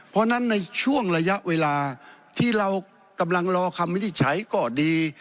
เพราะฉะนั้นในช่วงระยะเวลาที่เรากำลังรอคำวินิจฉัยก็ดี